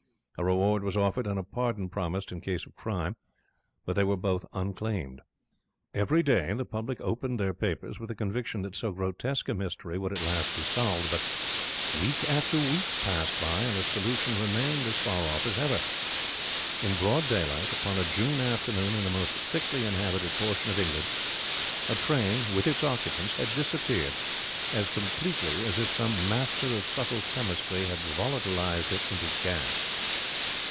A reward was offered and a pardon promised in case of crime, but they were both unclaimed. Every day the public opened their papers with the conviction that so grotesque a mystery would at last be solved, but week after week passed by, and a solution remained as far off as ever. In broad daylight, upon a June afternoon in the most thickly inhabited portion of England, a train with its occupants had disappeared as completely as if some master of subtle chemistry had volatilized it into gas.